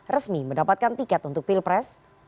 resmi mendapatkan tiket untuk pilpres